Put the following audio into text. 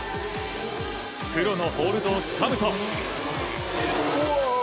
黒のホールドをつかむと。